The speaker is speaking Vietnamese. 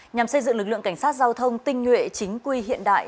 nhằm xây dựng lực lượng cảnh sát giao thông tinh nguyện chính quy hiện đại